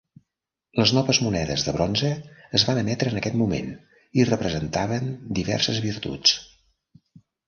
Les noves monedes de bronze es van emetre en aquest moment i representaven diverses virtuts.